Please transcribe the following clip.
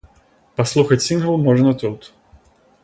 Паслухаць сінгл можна тут.